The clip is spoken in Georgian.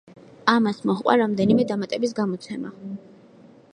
ამას მოჰყვა რამდენიმე დამატების გამოცემა.